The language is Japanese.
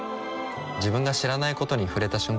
自分が知らないことに触れた瞬間